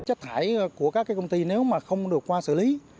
chất thải của các công ty nếu mà không được qua xử lý